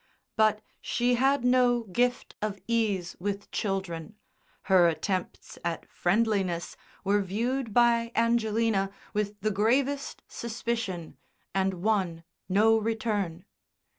But she had no gift of ease with children; her attempts at friendliness were viewed by Angelina with the gravest suspicion and won no return.